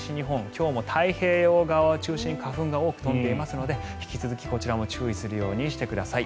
今日も太平洋側を中心に花粉が多く飛んでいますので引き続き、こちらも注意するようにしてください。